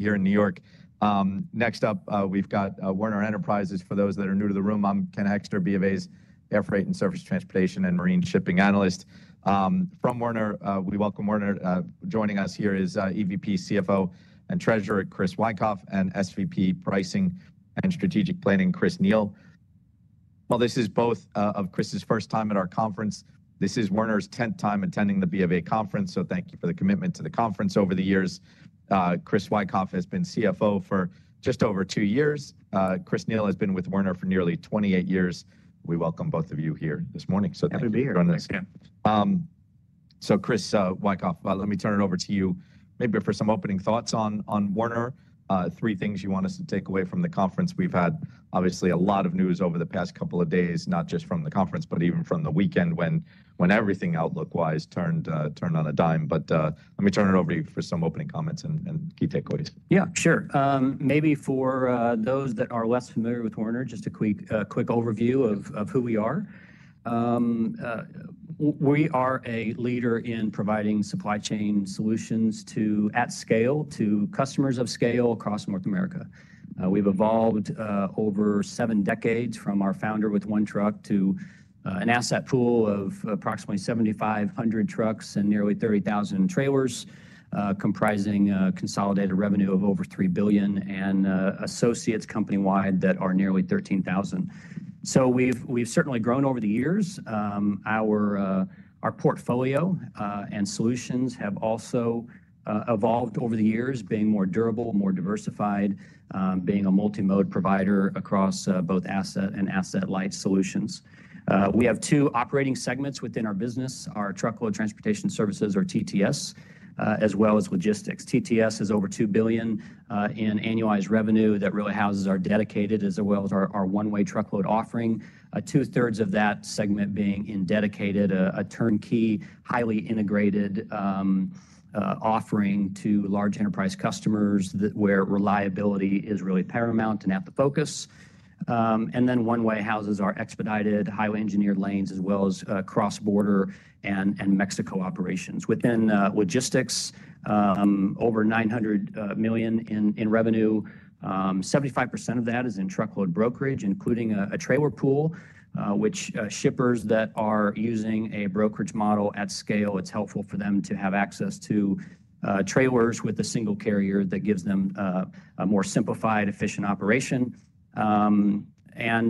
Here in New York. Next up, we have got Werner Enterprises. For those that are new to the room, I am Ken Hoexter, B of A's Air Freight and Surface Transportation and Marine Shipping Analyst. From Werner, we welcome Werner. Joining us here is EVP, CFO, and Treasurer Chris Wikoff and SVP Pricing and Strategic Planning, Chris Neil. While this is both of Chris's first time at our conference, this is Werner's 10th time attending the B of A conference, so thank you for the commitment to the conference over the years. Chris Wikoff has been CFO for just over two years. Chris Neil has been with Werner for nearly 28 years. We welcome both of you here this morning. Happy to be here. Chris Wikoff, let me turn it over to you. Maybe for some opening thoughts on Werner, three things you want us to take away from the conference. We have had, obviously, a lot of news over the past couple of days, not just from the conference, but even from the weekend when everything outlook-wise turned on a dime. Let me turn it over to you for some opening comments and key takeaways. Yeah, sure. Maybe for those that are less familiar with Werner, just a quick overview of who we are. We are a leader in providing supply chain solutions at scale to customers of scale across North America. We've evolved over seven decades from our founder with one truck to an asset pool of approximately 7,500 trucks and nearly 30,000 trailers, comprising a consolidated revenue of over $3 billion and associates company-wide that are nearly 13,000. We've certainly grown over the years. Our portfolio and solutions have also evolved over the years, being more durable, more diversified, being a multi-mode provider across both asset and asset-light solutions. We have two operating segments within our business, our truckload transportation services, or TTS, as well as logistics. TTS is over $2 billion in annualized revenue that really houses our dedicated, as well as our one-way truckload offering, two-thirds of that segment being in dedicated, a turnkey, highly integrated offering to large enterprise customers where reliability is really paramount and at the focus. One-way houses our expedited, highly engineered lanes, as well as cross-border and Mexico operations. Within logistics, over $900 million in revenue. 75% of that is in truckload brokerage, including a trailer pool, which shippers that are using a brokerage model at scale, it's helpful for them to have access to trailers with a single carrier that gives them a more simplified, efficient operation.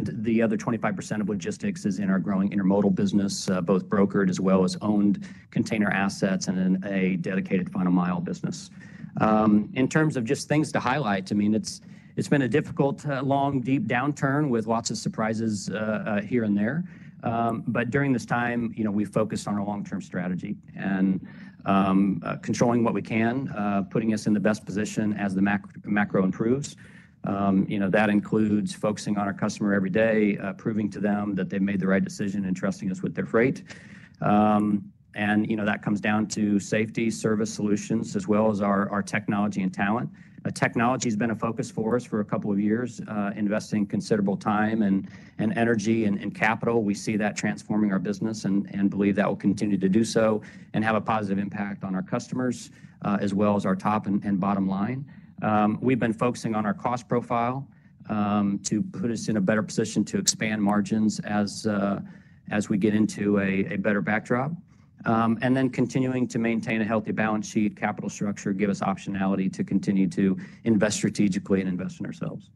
The other 25% of logistics is in our growing intermodal business, both brokered as well as owned container assets and then a dedicated final-mile business. In terms of just things to highlight, I mean, it's been a difficult, long, deep downturn with lots of surprises here and there. During this time, we've focused on our long-term strategy and controlling what we can, putting us in the best position as the macro improves. That includes focusing on our customer every day, proving to them that they've made the right decision in trusting us with their freight. That comes down to safety, service solutions, as well as our technology and talent. Technology has been a focus for us for a couple of years, investing considerable time and energy and capital. We see that transforming our business and believe that will continue to do so and have a positive impact on our customers, as well as our top and bottom line. We've been focusing on our cost profile to put us in a better position to expand margins as we get into a better backdrop. Continuing to maintain a healthy balance sheet, capital structure, give us optionality to continue to invest strategically and invest in ourselves.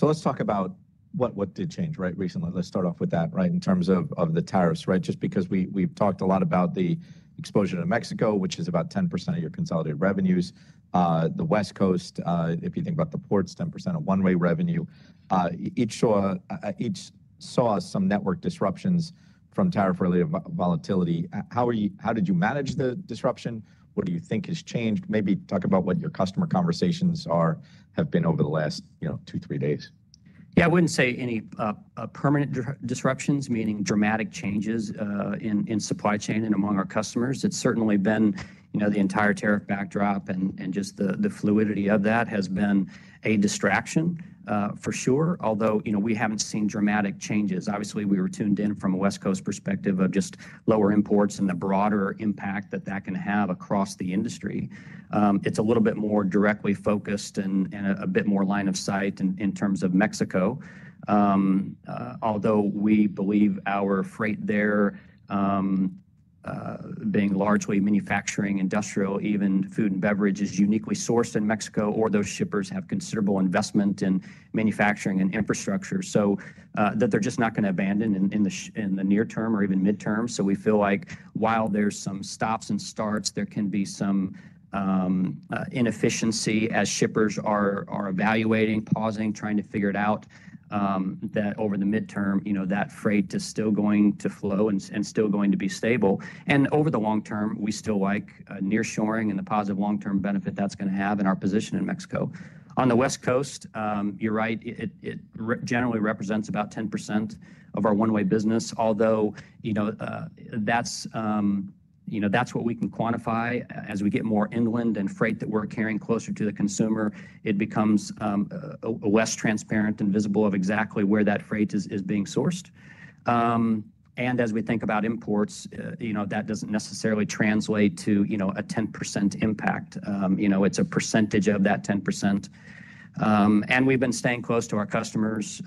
Let's talk about what did change recently. Let's start off with that in terms of the tariffs. Just because we've talked a lot about the exposure to Mexico, which is about 10% of your consolidated revenues. The West Coast, if you think about the ports, 10% of one-way revenue. Each saw some network disruptions from tariff-related volatility. How did you manage the disruption? What do you think has changed? Maybe talk about what your customer conversations have been over the last two, three days. Yeah, I wouldn't say any permanent disruptions, meaning dramatic changes in supply chain and among our customers. It's certainly been the entire tariff backdrop and just the fluidity of that has been a distraction, for sure, although we haven't seen dramatic changes. Obviously, we were tuned in from a West Coast perspective of just lower imports and the broader impact that that can have across the industry. It's a little bit more directly focused and a bit more line of sight in terms of Mexico. Although we believe our freight there, being largely manufacturing, industrial, even food and beverage, is uniquely sourced in Mexico, or those shippers have considerable investment in manufacturing and infrastructure, so that they're just not going to abandon in the near term or even midterm. We feel like while there's some stops and starts, there can be some inefficiency as shippers are evaluating, pausing, trying to figure it out, that over the midterm, that freight is still going to flow and still going to be stable. Over the long term, we still like nearshoring and the positive long-term benefit that's going to have in our position in Mexico. On the West Coast, you're right, it generally represents about 10% of our one-way business, although that's what we can quantify. As we get more inland and freight that we're carrying closer to the consumer, it becomes less transparent and visible of exactly where that freight is being sourced. As we think about imports, that doesn't necessarily translate to a 10% impact. It's a percentage of that 10%. We've been staying close to our customers.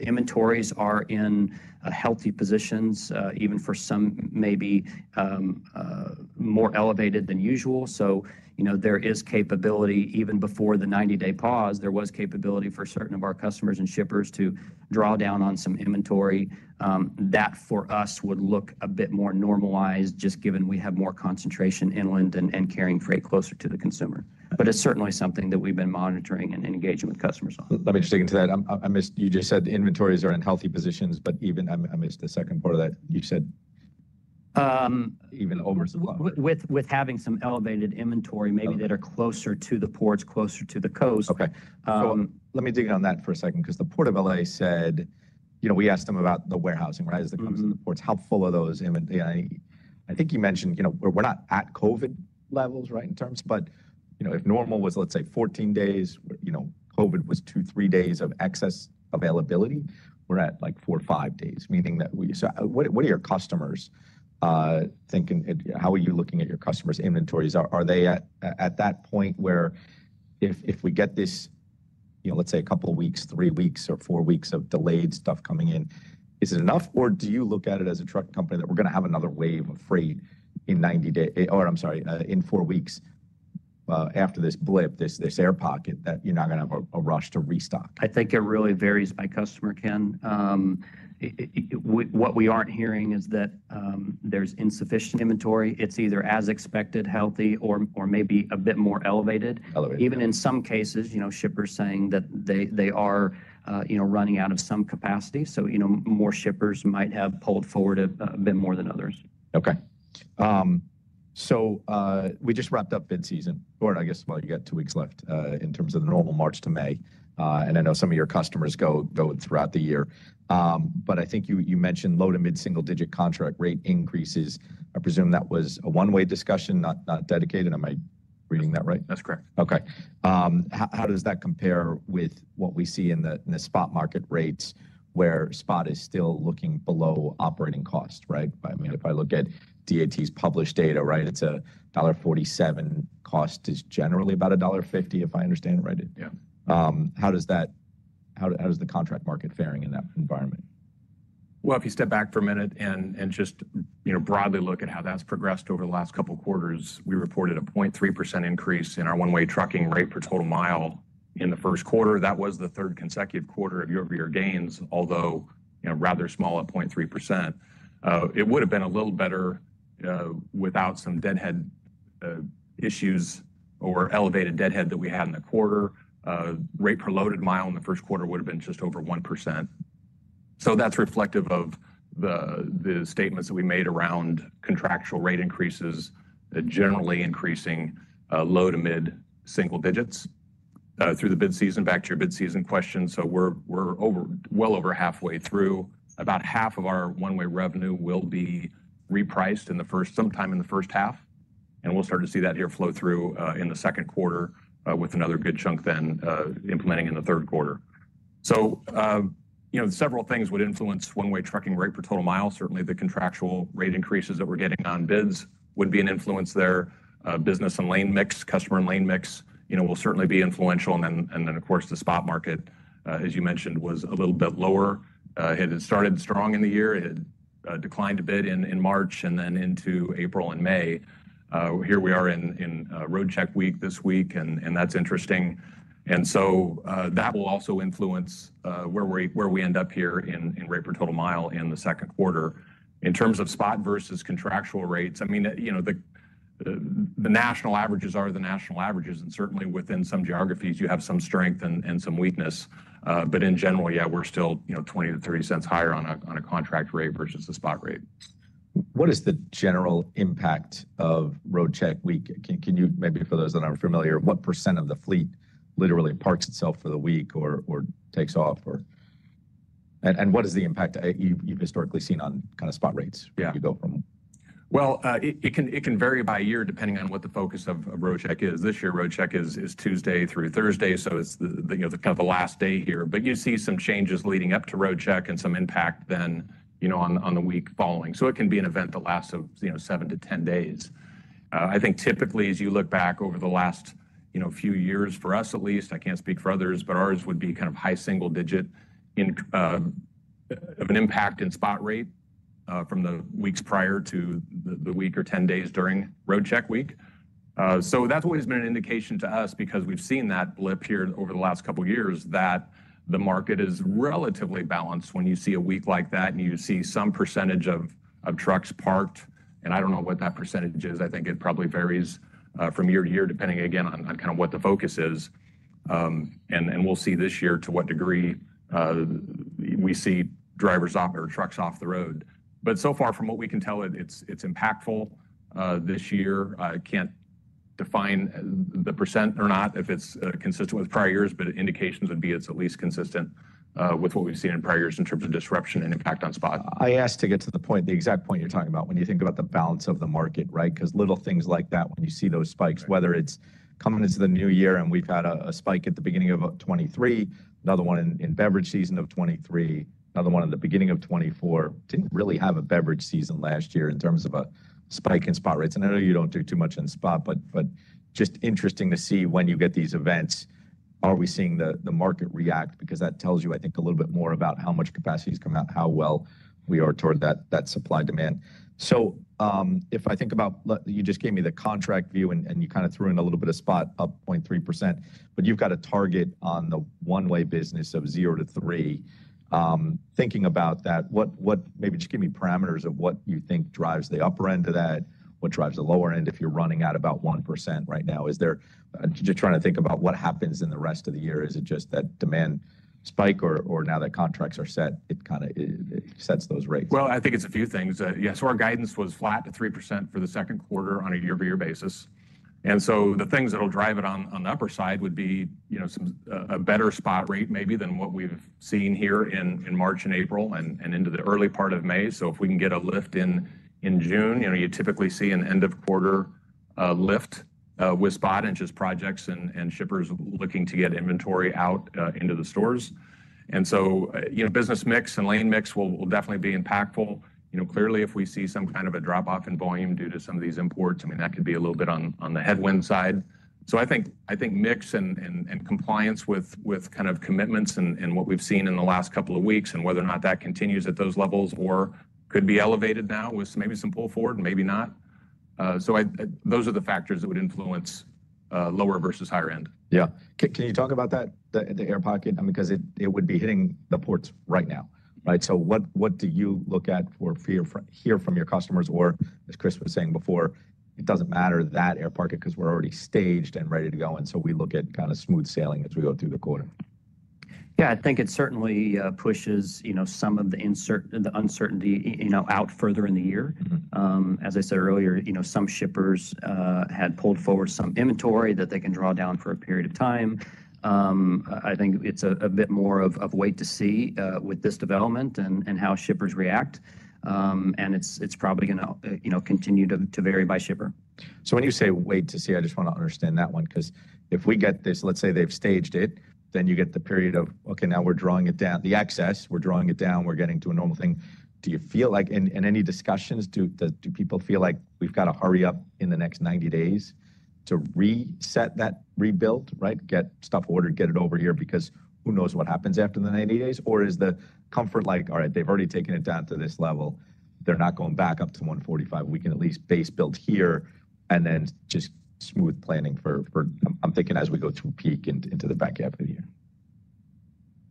Inventories are in healthy positions, even for some maybe more elevated than usual. There is capability even before the 90-day pause. There was capability for certain of our customers and shippers to draw down on some inventory. That for us would look a bit more normalized, just given we have more concentration inland and carrying freight closer to the consumer. It is certainly something that we have been monitoring and engaging with customers on. Let me just dig into that. You just said inventories are in healthy positions, but even I missed the second part of that. You said even oversupply. With having some elevated inventory, maybe that are closer to the ports, closer to the coast. Okay. Let me dig in on that for a second, because the Port of L.A. said we asked them about the warehousing as it comes in the ports. How full are those? I think you mentioned we're not at COVID levels in terms, but if normal was, let's say, 14 days, COVID was two, three days of excess availability, we're at like four or five days. So what do your customers think? How are you looking at your customers' inventories? Are they at that point where if we get this, let's say, a couple of weeks, three weeks, or four weeks of delayed stuff coming in, is it enough? Or do you look at it as a truck company that we're going to have another wave of freight in 90 days? Oh, I'm sorry, in four weeks after this blip, this air pocket, that you're not going to have a rush to restock? I think it really varies by customer, Ken. What we aren't hearing is that there's insufficient inventory. It's either as expected, healthy, or maybe a bit more elevated. Even in some cases, shippers saying that they are running out of some capacity. More shippers might have pulled forward a bit more than others. Okay. So we just wrapped up midseason, or I guess, you got two weeks left in terms of the normal March to May. I know some of your customers go throughout the year. I think you mentioned low to mid-single-digit contract rate increases. I presume that was a one-way discussion, not dedicated. Am I reading that right? That's correct. Okay. How does that compare with what we see in the spot market rates, where spot is still looking below operating cost? I mean, if I look at DAT's published data, it's $1.47. Cost is generally about $1.50, if I understand right. How does the contract market fare in that environment? If you step back for a minute and just broadly look at how that's progressed over the last couple of quarters, we reported a 0.3% increase in our one-way trucking rate per total mile in the first quarter. That was the third consecutive quarter of year-over-year gains, although rather small at 0.3%. It would have been a little better without some deadhead issues or elevated deadhead that we had in the quarter. Rate per loaded mile in the first quarter would have been just over 1%. That's reflective of the statements that we made around contractual rate increases, generally increasing low to mid-single digits through the midseason, back to your midseason question. We're well over halfway through. About half of our one-way revenue will be repriced sometime in the first half. We'll start to see that here flow through in the second quarter with another good chunk then implementing in the third quarter. Several things would influence one-way trucking rate per total mile. Certainly, the contractual rate increases that we're getting on bids would be an influence there. Business and lane mix, customer and lane mix will certainly be influential. Then, of course, the spot market, as you mentioned, was a little bit lower. It had started strong in the year. It declined a bit in March and then into April and May. Here we are in road check week this week, and that's interesting. That will also influence where we end up here in rate per total mile in the second quarter. In terms of spot versus contractual rates, I mean, the national averages are the national averages. Certainly, within some geographies, you have some strength and some weakness. In general, yeah, we're still $0.20-$0.30 higher on a contract rate versus the spot rate. What is the general impact of road check week? Maybe for those that aren't familiar, what percent of the fleet literally parks itself for the week or takes off? What is the impact you've historically seen on kind of spot rates? You go from. It can vary by year depending on what the focus of road check is. This year, road check is Tuesday through Thursday, so it's kind of the last day here. You see some changes leading up to road check and some impact then on the week following. It can be an event that lasts seven to ten days. I think typically, as you look back over the last few years, for us at least, I can't speak for others, but ours would be kind of high single-digit of an impact in spot rate from the weeks prior to the week or ten days during road check week. That's always been an indication to us because we've seen that blip here over the last couple of years that the market is relatively balanced when you see a week like that and you see some percentage of trucks parked. I don't know what that percentage is. I think it probably varies from year to year, depending again on kind of what the focus is. We'll see this year to what degree we see drivers or trucks off the road. So far, from what we can tell, it's impactful this year. I can't define the percent or not if it's consistent with prior years, but indications would be it's at least consistent with what we've seen in prior years in terms of disruption and impact on spot. I asked to get to the exact point you're talking about when you think about the balance of the market, because little things like that, when you see those spikes, whether it's coming into the new year and we've had a spike at the beginning of 2023, another one in beverage season of 2023, another one at the beginning of 2024. Didn't really have a beverage season last year in terms of a spike in spot rates. And I know you don't do too much in spot, but just interesting to see when you get these events, are we seeing the market react? Because that tells you, I think, a little bit more about how much capacity has come out, how well we are toward that supply demand. If I think about you just gave me the contract view and you kind of threw in a little bit of spot up 0.3%, but you've got a target on the one-way business of 0%-3%. Thinking about that, maybe just give me parameters of what you think drives the upper end of that, what drives the lower end if you're running at about 1% right now. Just trying to think about what happens in the rest of the year. Is it just that demand spike or now that contracts are set, it kind of sets those rates? I think it's a few things. Our guidance was flat at 3% for the second quarter on a year-to-year basis. The things that will drive it on the upper side would be a better spot rate maybe than what we've seen here in March and April and into the early part of May. If we can get a lift in June, you typically see an end-of-quarter lift with spot and just projects and shippers looking to get inventory out into the stores. Business mix and lane mix will definitely be impactful. Clearly, if we see some kind of a drop-off in volume due to some of these imports, I mean, that could be a little bit on the headwind side. I think mix and compliance with kind of commitments and what we've seen in the last couple of weeks and whether or not that continues at those levels or could be elevated now with maybe some pull forward, maybe not. Those are the factors that would influence lower versus higher end. Yeah. Can you talk about that, the air pocket? Because it would be hitting the ports right now. What do you look at or hear from your customers? Or as Chris was saying before, it doesn't matter that air pocket because we're already staged and ready to go. We look at kind of smooth sailing as we go through the quarter. Yeah, I think it certainly pushes some of the uncertainty out further in the year. As I said earlier, some shippers had pulled forward some inventory that they can draw down for a period of time. I think it's a bit more of wait to see with this development and how shippers react. It's probably going to continue to vary by shipper. When you say wait to see, I just want to understand that one, because if we get this, let's say they've staged it, then you get the period of, okay, now we're drawing it down, the excess, we're drawing it down, we're getting to a normal thing. Do you feel like, in any discussions, do people feel like we've got to hurry up in the next 90 days to reset that rebuild, get stuff ordered, get it over here because who knows what happens after the 90 days? Or is the comfort like, all right, they've already taken it down to this level. They're not going back up to 145. We can at least base build here and then just smooth planning for, I'm thinking, as we go to peak into the back half of the year.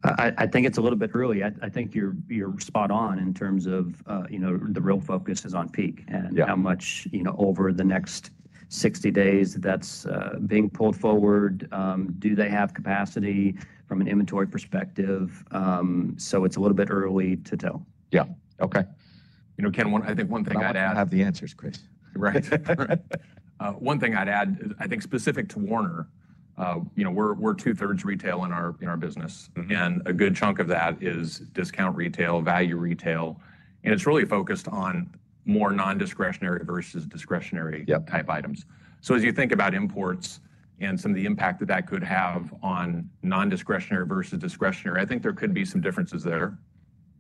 I think it's a little bit early. I think you're spot on in terms of the real focus is on peak and how much over the next 60 days that's being pulled forward. Do they have capacity from an inventory perspective? So it's a little bit early to tell. Yeah. Okay. Ken, I think one thing I'd add. I don't have the answers, Chris. Right. One thing I'd add, I think specific to Werner, we're two-thirds retail in our business. And a good chunk of that is discount retail, value retail. And it's really focused on more non-discretionary versus discretionary type items. As you think about imports and some of the impact that that could have on non-discretionary versus discretionary, I think there could be some differences there.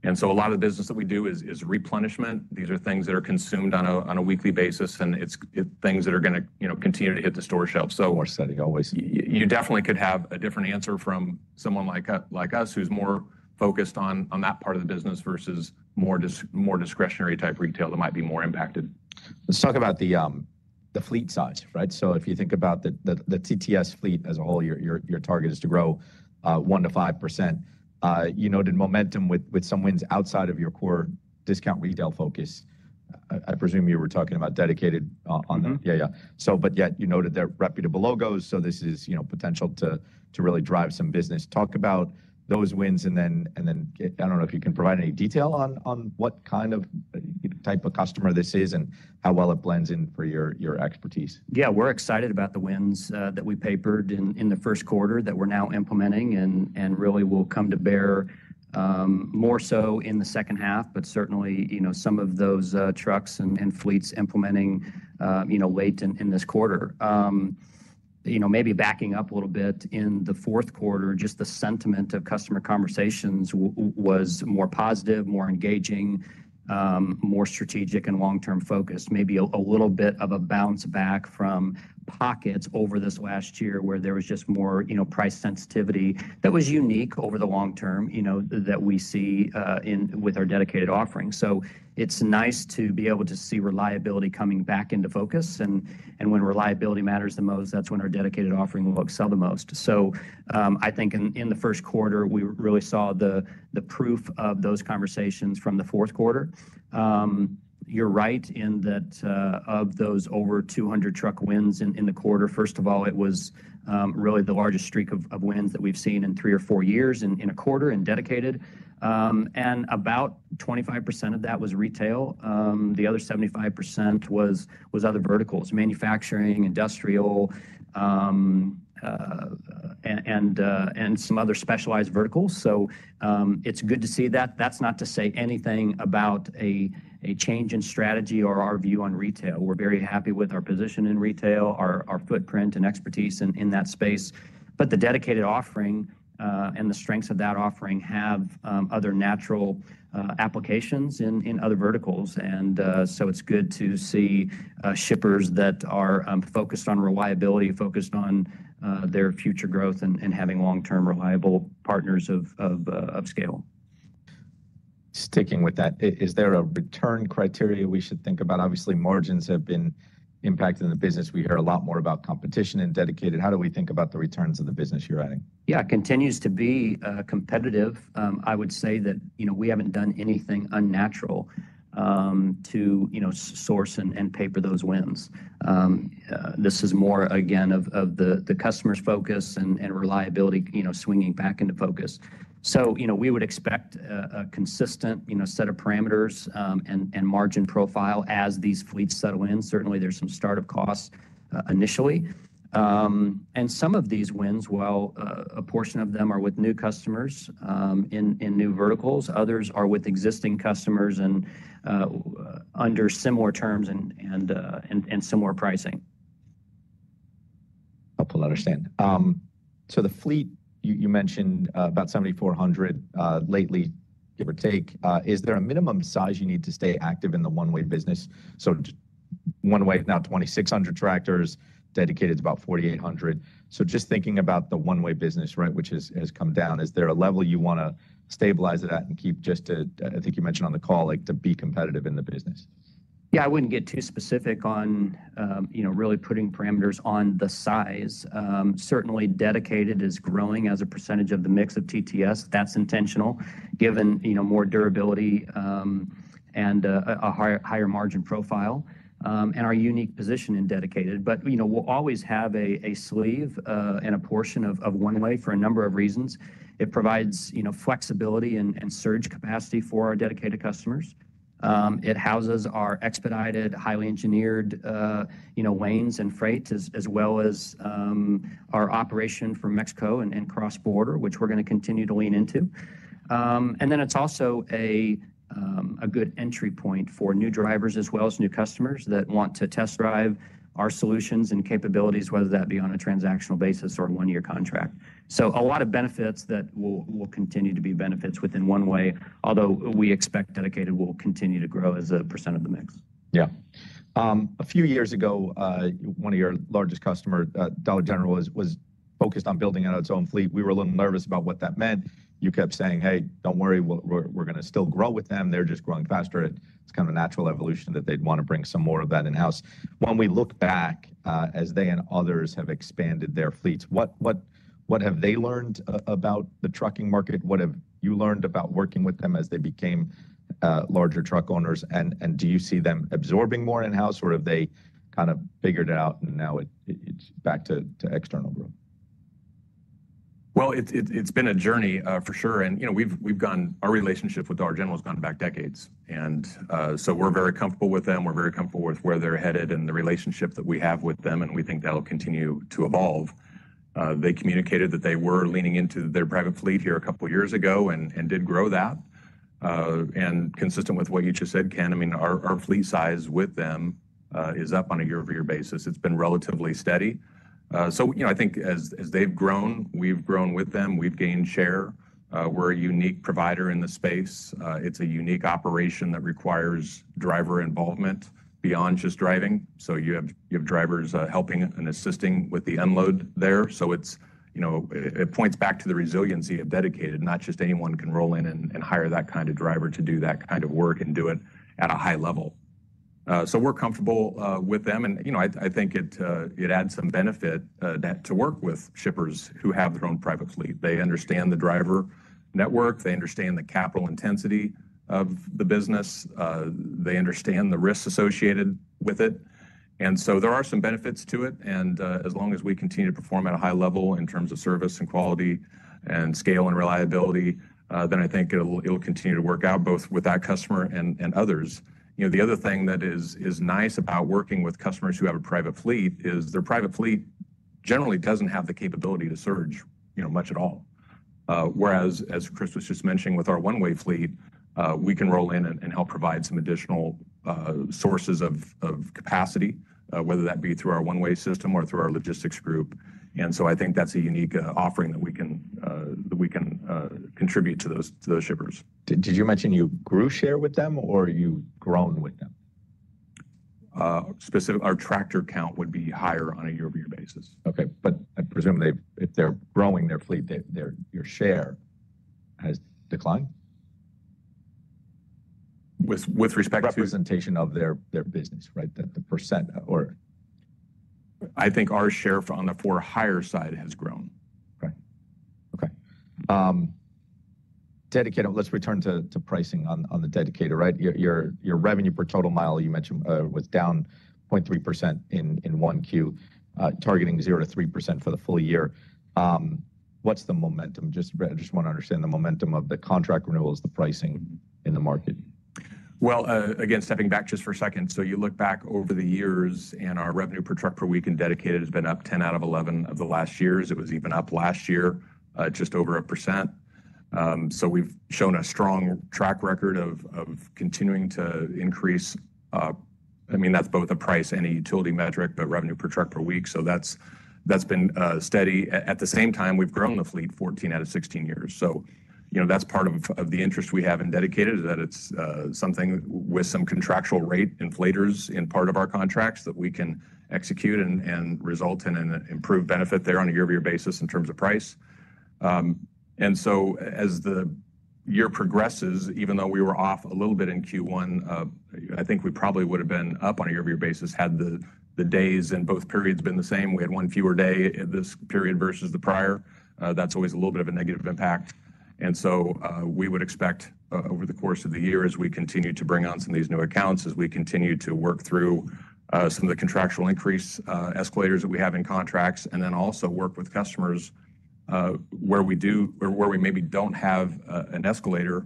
A lot of the business that we do is replenishment. These are things that are consumed on a weekly basis and things that are going to continue to hit the store shelves. More study always. You definitely could have a different answer from someone like us who's more focused on that part of the business versus more discretionary type retail that might be more impacted. Let's talk about the fleet size. If you think about the TTS fleet as a whole, your target is to grow 1%-5%. You noted momentum with some wins outside of your core discount retail focus. I presume you were talking about dedicated on that. Yeah, yeah. Yet you noted they are reputable logos. This is potential to really drive some business. Talk about those wins and then I do not know if you can provide any detail on what kind of type of customer this is and how well it blends in for your expertise. Yeah, we're excited about the wins that we papered in the first quarter that we're now implementing and really will come to bear more so in the second half, but certainly some of those trucks and fleets implementing late in this quarter. Maybe backing up a little bit in the fourth quarter, just the sentiment of customer conversations was more positive, more engaging, more strategic and long-term focused. Maybe a little bit of a bounce back from pockets over this last year where there was just more price sensitivity that was unique over the long term that we see with our dedicated offering. It is nice to be able to see reliability coming back into focus. When reliability matters the most, that's when our dedicated offering will excel the most. I think in the first quarter, we really saw the proof of those conversations from the fourth quarter. You're right in that of those over 200 truck wins in the quarter. First of all, it was really the largest streak of wins that we've seen in three or four years in a quarter in dedicated. About 25% of that was retail. The other 75% was other verticals, manufacturing, industrial, and some other specialized verticals. It is good to see that. That is not to say anything about a change in strategy or our view on retail. We're very happy with our position in retail, our footprint, and expertise in that space. The dedicated offering and the strengths of that offering have other natural applications in other verticals. It is good to see shippers that are focused on reliability, focused on their future growth, and having long-term reliable partners of scale. Sticking with that, is there a return criteria we should think about? Obviously, margins have been impacted in the business. We hear a lot more about competition and dedicated. How do we think about the returns of the business you're adding? Yeah, it continues to be competitive. I would say that we haven't done anything unnatural to source and pay for those wins. This is more, again, of the customer's focus and reliability swinging back into focus. We would expect a consistent set of parameters and margin profile as these fleets settle in. Certainly, there's some startup costs initially. Some of these wins, a portion of them are with new customers in new verticals. Others are with existing customers and under similar terms and similar pricing. Helpful to understand. The fleet, you mentioned about 7,400 lately, give or take. Is there a minimum size you need to stay active in the one-way business? One-way is now 2,600 tractors, dedicated is about 4,800. Just thinking about the one-way business, which has come down, is there a level you want to stabilize that and keep just, I think you mentioned on the call, to be competitive in the business? Yeah, I wouldn't get too specific on really putting parameters on the size. Certainly, dedicated is growing as a percentage of the mix of TTS. That's intentional, given more durability and a higher margin profile and our unique position in dedicated. We'll always have a sleeve and a portion of one-way for a number of reasons. It provides flexibility and surge capacity for our dedicated customers. It houses our expedited, highly engineered lanes and freight, as well as our operation for Mexico and cross-border, which we're going to continue to lean into. It's also a good entry point for new drivers as well as new customers that want to test drive our solutions and capabilities, whether that be on a transactional basis or a one-year contract. A lot of benefits that will continue to be benefits within one-way, although we expect dedicated will continue to grow as a percent of the mix. Yeah. A few years ago, one of your largest customers, Dollar General, was focused on building out its own fleet. We were a little nervous about what that meant. You kept saying, "Hey, don't worry, we're going to still grow with them. They're just growing faster." It's kind of a natural evolution that they'd want to bring some more of that in-house. When we look back, as they and others have expanded their fleets, what have they learned about the trucking market? What have you learned about working with them as they became larger truck owners? Do you see them absorbing more in-house, or have they kind of figured it out and now it's back to external growth? It's been a journey for sure. Our relationship with Dollar General has gone back decades. We're very comfortable with them. We're very comfortable with where they're headed and the relationship that we have with them. We think that'll continue to evolve. They communicated that they were leaning into their private fleet here a couple of years ago and did grow that. Consistent with what you just said, Ken, I mean, our fleet size with them is up on a year-over-year basis. It's been relatively steady. I think as they've grown, we've grown with them. We've gained share. We're a unique provider in the space. It's a unique operation that requires driver involvement beyond just driving. You have drivers helping and assisting with the unload there. It points back to the resiliency of dedicated, not just anyone can roll in and hire that kind of driver to do that kind of work and do it at a high level. We are comfortable with them. I think it adds some benefit to work with shippers who have their own private fleet. They understand the driver network. They understand the capital intensity of the business. They understand the risks associated with it. There are some benefits to it. As long as we continue to perform at a high level in terms of service and quality and scale and reliability, I think it will continue to work out both with that customer and others. The other thing that is nice about working with customers who have a private fleet is their private fleet generally does not have the capability to surge much at all. Whereas, as Chris was just mentioning, with our one-way fleet, we can roll in and help provide some additional sources of capacity, whether that be through our one-way system or through our logistics group. I think that's a unique offering that we can contribute to those shippers. Did you mention you grew share with them or you've grown with them? Specifically, our tractor count would be higher on a year-over-year basis. Okay. I presume if they're growing their fleet, your share has declined? With respect to? Representation of their business, right? The percent or? I think our share on the for-hire side has grown. Okay. Okay. Let's return to pricing on the dedicated, right? Your revenue per total mile, you mentioned, was down 0.3% in Q1, targeting 0%-3% for the full year. What's the momentum? Just want to understand the momentum of the contract renewals, the pricing in the market. Again, stepping back just for a second. You look back over the years and our revenue per truck per week in dedicated has been up 10 out of 11 of the last years. It was even up last year, just over 1%. We have shown a strong track record of continuing to increase. I mean, that is both a price and a utility metric, but revenue per truck per week has been steady. At the same time, we have grown the fleet 14 out of 16 years. That is part of the interest we have in dedicated, that it is something with some contractual rate inflators in part of our contracts that we can execute and result in an improved benefit there on a year-over-year basis in terms of price. As the year progresses, even though we were off a little bit in Q1, I think we probably would have been up on a year-over-year basis had the days in both periods been the same. We had one fewer day this period versus the prior. That is always a little bit of a negative impact. We would expect over the course of the year, as we continue to bring on some of these new accounts, as we continue to work through some of the contractual increase escalators that we have in contracts, and also work with customers where we maybe do not have an escalator.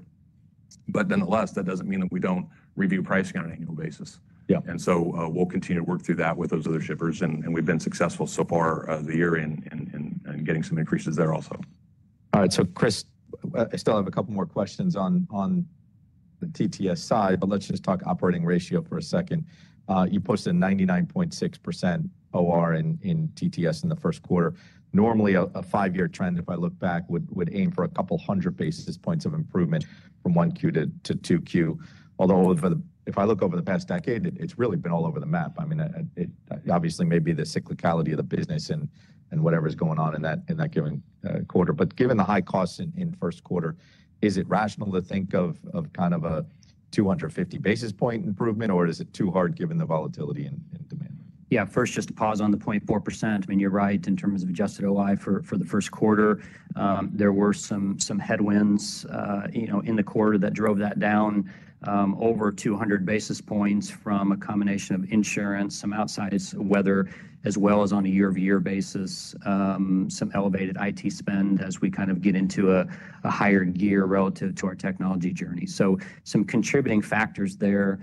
Nonetheless, that does not mean that we do not review pricing on an annual basis. We will continue to work through that with those other shippers. We have been successful so far this year in getting some increases there also. All right. So Chris, I still have a couple more questions on the TTS side, but let's just talk operating ratio for a second. You posted a 99.6% OR in TTS in the first quarter. Normally, a five-year trend, if I look back, would aim for a couple hundred basis points of improvement from Q1 to Q2. Although if I look over the past decade, it's really been all over the map. I mean, obviously, maybe the cyclicality of the business and whatever is going on in that given quarter. But given the high costs in first quarter, is it rational to think of kind of a 250 basis point improvement, or is it too hard given the volatility in demand? Yeah. First, just to pause on the 0.4%. I mean, you're right in terms of adjusted OI for the first quarter. There were some headwinds in the quarter that drove that down over 200 basis points from a combination of insurance, some outside weather, as well as on a year-over-year basis, some elevated IT spend as we kind of get into a higher gear relative to our technology journey. So some contributing factors there.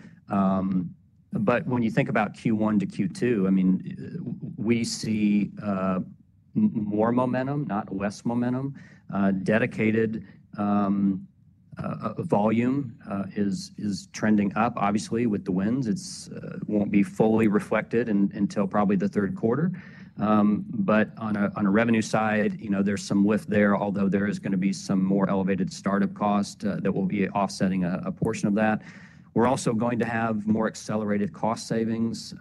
When you think about Q1 to Q2, I mean, we see more momentum, not less momentum. Dedicated volume is trending up, obviously, with the winds. It won't be fully reflected until probably the third quarter. On a revenue side, there's some lift there, although there is going to be some more elevated startup cost that will be offsetting a portion of that. We're also going to have more accelerated cost savings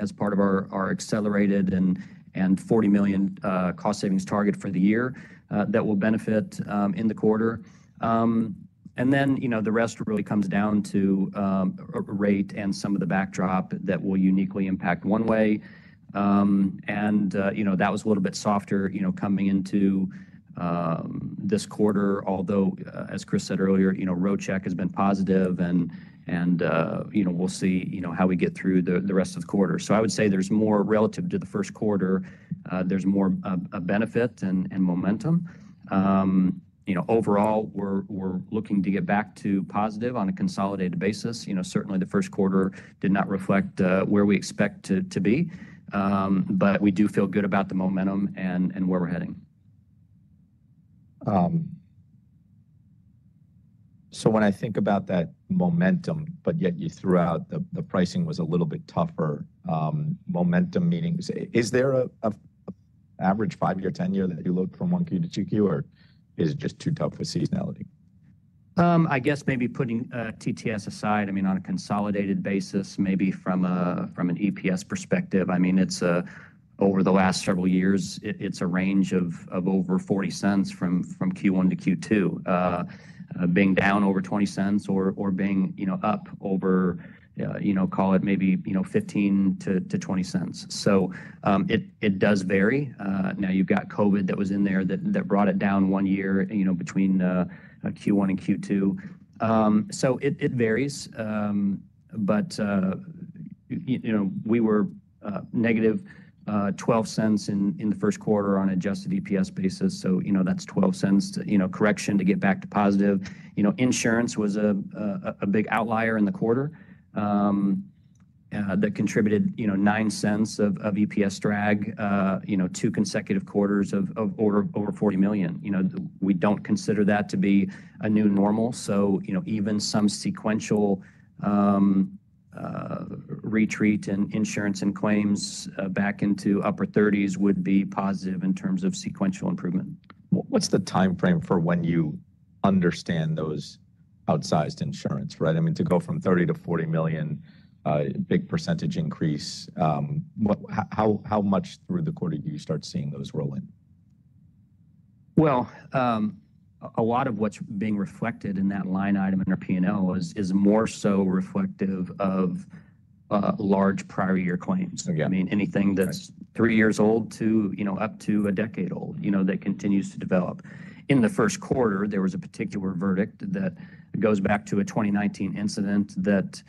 as part of our accelerated and $40 million cost savings target for the year that will benefit in the quarter. The rest really comes down to rate and some of the backdrop that will uniquely impact one-way. That was a little bit softer coming into this quarter, although, as Chris said earlier, road check has been positive, and we'll see how we get through the rest of the quarter. I would say there's more relative to the first quarter, there's more benefit and momentum. Overall, we're looking to get back to positive on a consolidated basis. Certainly, the first quarter did not reflect where we expect to be, but we do feel good about the momentum and where we're heading. When I think about that momentum, but yet throughout, the pricing was a little bit tougher. Momentum meanings, is there an average five-year, 10-year that you look from Q1 to Q2, or is it just too tough for seasonality? I guess maybe putting TTS aside, I mean, on a consolidated basis, maybe from an EPS perspective, I mean, over the last several years, it's a range of over $0.40 from Q1 to Q2, being down over $0.20 or being up over, call it maybe $0.15-$0.20. It does vary. Now, you've got COVID that was in there that brought it down one year between Q1 and Q2. It varies. We were negative $0.12 in the first quarter on an adjusted EPS basis. That's $0.12 correction to get back to positive. Insurance was a big outlier in the quarter that contributed $0.09 of EPS drag, two consecutive quarters of over $40 million. We don't consider that to be a new normal. Even some sequential retreat in insurance and claims back into upper 30s would be positive in terms of sequential improvement. What's the timeframe for when you understand those outsized insurance, right? I mean, to go from $30 million to $40 million, big percentage increase, how much through the quarter do you start seeing those roll in? A lot of what's being reflected in that line item in our P&L is more so reflective of large prior year claims. I mean, anything that's three years old to up to a decade old that continues to develop. In the first quarter, there was a particular verdict that goes back to a 2019 incident that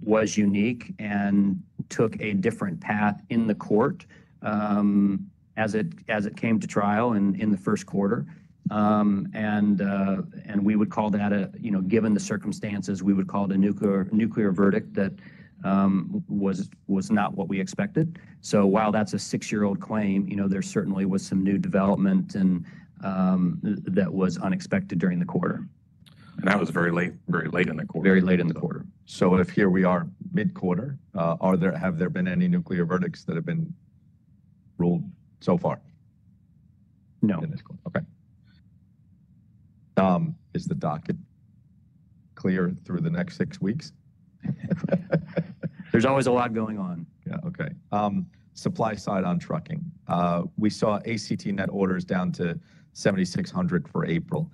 was unique and took a different path in the court as it came to trial in the first quarter. We would call that, given the circumstances, we would call it a nuclear verdict that was not what we expected. While that's a six-year-old claim, there certainly was some new development that was unexpected during the quarter. That was very late in the quarter. Very late in the quarter. If here we are mid-quarter, have there been any nuclear verdicts that have been ruled so far? No. Okay. Is the docket clear through the next six weeks? There's always a lot going on. Yeah. Okay. Supply side on trucking. We saw ACT net orders down to 7,600 for April.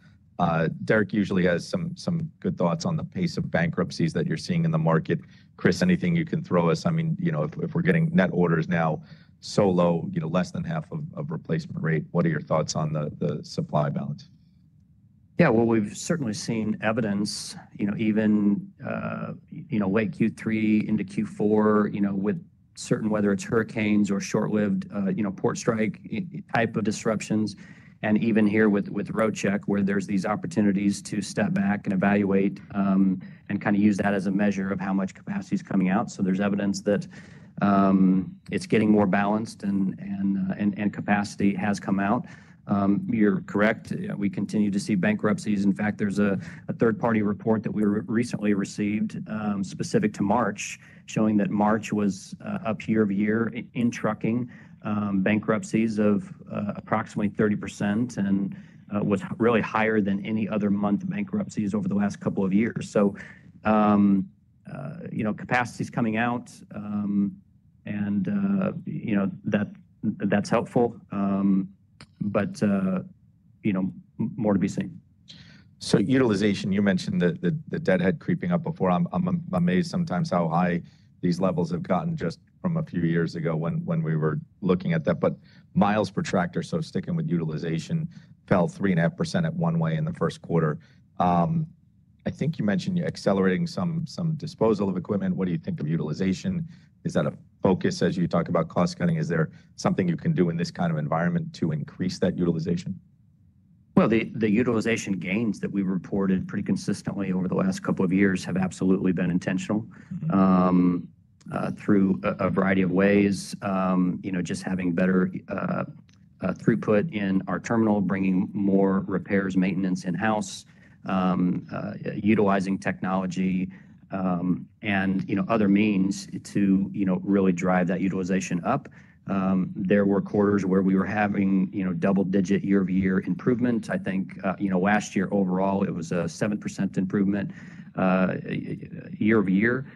Derek usually has some good thoughts on the pace of bankruptcies that you're seeing in the market. Chris, anything you can throw us? I mean, if we're getting net orders now so low, less than half of replacement rate, what are your thoughts on the supply balance? Yeah. We have certainly seen evidence, even late Q3 into Q4, with certain, whether it is hurricanes or short-lived port strike type of disruptions. Even here with road check, where there are these opportunities to step back and evaluate and kind of use that as a measure of how much capacity is coming out. There is evidence that it is getting more balanced and capacity has come out. You are correct. We continue to see bankruptcies. In fact, there is a third-party report that we recently received specific to March showing that March was a peak year in trucking bankruptcies of approximately 30% and was really higher than any other month bankruptcies over the last couple of years. Capacity is coming out, and that is helpful, but more to be seen. Utilization, you mentioned the deadhead creeping up before. I'm amazed sometimes how high these levels have gotten just from a few years ago when we were looking at that. Miles per tractor, so sticking with utilization, fell 3.5% at one way in the first quarter. I think you mentioned accelerating some disposal of equipment. What do you think of utilization? Is that a focus as you talk about cost cutting? Is there something you can do in this kind of environment to increase that utilization? The utilization gains that we reported pretty consistently over the last couple of years have absolutely been intentional through a variety of ways, just having better throughput in our terminal, bringing more repairs, maintenance in-house, utilizing technology, and other means to really drive that utilization up. There were quarters where we were having double-digit year-over-year improvement. I think last year overall, it was a 7% improvement year-over-year.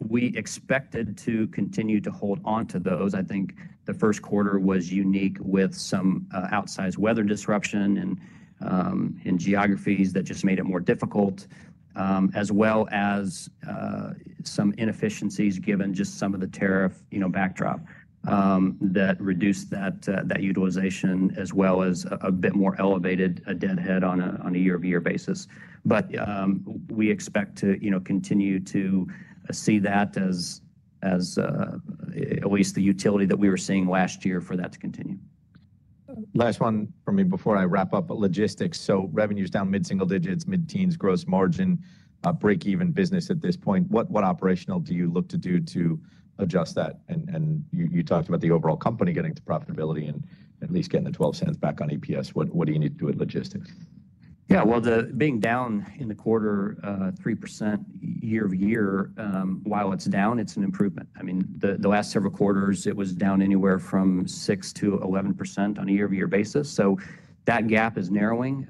We expected to continue to hold on to those. I think the first quarter was unique with some outsized weather disruption and geographies that just made it more difficult, as well as some inefficiencies given just some of the tariff backdrop that reduced that utilization, as well as a bit more elevated deadhead on a year-over-year basis. We expect to continue to see that as at least the utility that we were seeing last year for that to continue. Last one for me before I wrap up, logistics. Revenues down mid-single digits, mid-teens, gross margin, break-even business at this point. What operational do you look to do to adjust that? You talked about the overall company getting to profitability and at least getting the $0.12 back on EPS. What do you need to do with logistics? Yeah. Being down in the quarter 3% year-over-year, while it's down, it's an improvement. I mean, the last several quarters, it was down anywhere from 6%-11% on a year-over-year basis. That gap is narrowing.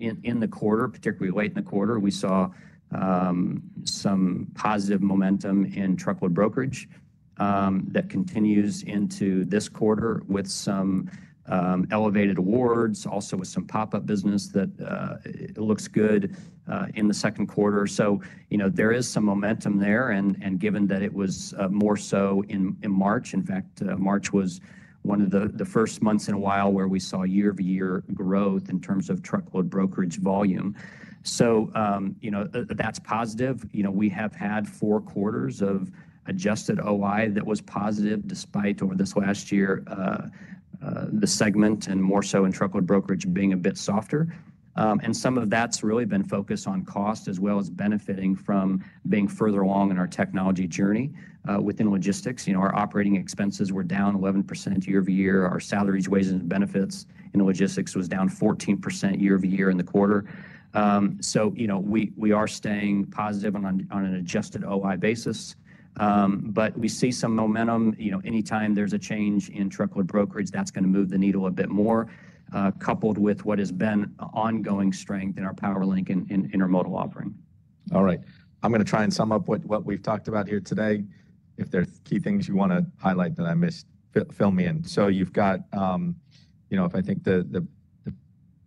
In the quarter, particularly late in the quarter, we saw some positive momentum in truckload brokerage that continues into this quarter with some elevated awards, also with some pop-up business that looks good in the second quarter. There is some momentum there. Given that it was more so in March, in fact, March was one of the first months in a while where we saw year-over-year growth in terms of truckload brokerage volume. That's positive. We have had four quarters of adjusted OI that was positive despite over this last year, the segment and more so in truckload brokerage being a bit softer. Some of that's really been focused on cost as well as benefiting from being further along in our technology journey within logistics. Our operating expenses were down 11% year-over-year. Our salaries, wages, and benefits in logistics was down 14% year-over-year in the quarter. We are staying positive on an adjusted OI basis. We see some momentum. Anytime there's a change in truckload brokerage, that's going to move the needle a bit more, coupled with what has been ongoing strength in our PowerLink and our modal offering. All right. I'm going to try and sum up what we've talked about here today. If there's key things you want to highlight that I missed, fill me in. So you've got, if I think the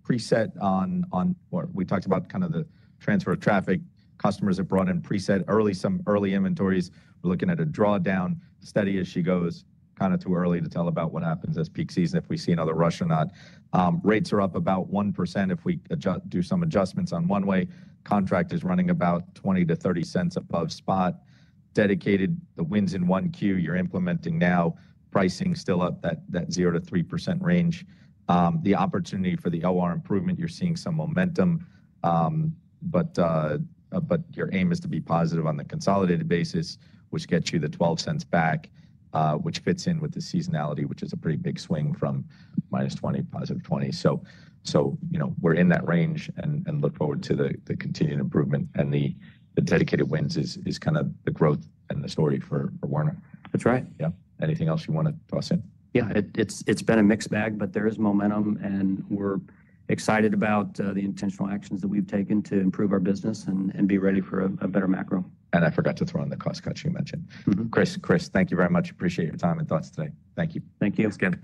preset on, well, we talked about kind of the transfer of traffic. Customers have brought in preset early, some early inventories. We're looking at a drawdown, steady as she goes, kind of too early to tell about what happens as peak season if we see another rush or not. Rates are up about 1% if we do some adjustments on one way. Contract is running about $0.20-$0.30 above spot. Dedicated, the wins in Q1 you're implementing now. Pricing still up that 0%-3% range. The opportunity for the OR improvement, you're seeing some momentum. Your aim is to be positive on the consolidated basis, which gets you the $0.12 back, which fits in with the seasonality, which is a pretty big swing from -20 to +20. We are in that range and look forward to the continued improvement. The dedicated wins is kind of the growth and the story for Werner. That's right. Yeah. Anything else you want to toss in? Yeah. It's been a mixed bag, but there is momentum, and we're excited about the intentional actions that we've taken to improve our business and be ready for a better macro. I forgot to throw in the cost cut you mentioned. Chris, Chris, thank you very much. Appreciate your time and thoughts today. Thank you. Thank you. That's good.